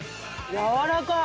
やわらかい！